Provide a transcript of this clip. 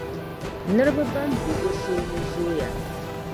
Niriba bɛn be o shee ni zooiya.